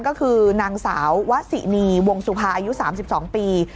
ก็คือนางสาววสินีวงสุภาอายุ๓๒ปี